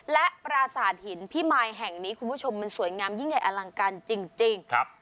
และปราสาทหินพิมายแห่งนี้คุณผู้ชมมันสวยงามยิ่งใหญ่อลังการจริง